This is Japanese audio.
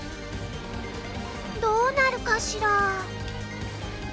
どうなるかしら。